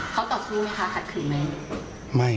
เขาต่อกรูมีภาคชัดหลุ่มั้ย